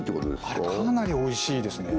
あれかなりおいしいですね